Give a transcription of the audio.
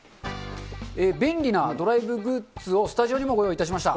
便利なドライブグッズをスタジオにもご用意いたしました。